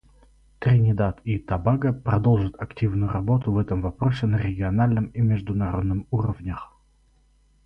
Тринидад и Тобаго продолжит активную работу в этом вопросе на региональном и международном уровнях.